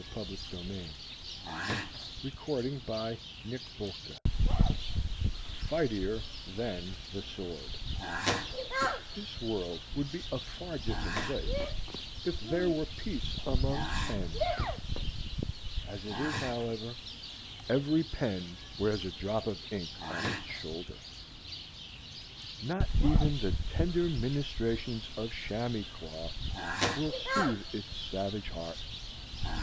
FIGHTIER THAN THE SWORD [Illustration: Decorative letter "T"] This world would be a far different place if there were peace among pens. As it is, however, every pen wears a drop of ink on its shoulder. Not even the tender ministrations of chamois cloth will soothe its savage heart.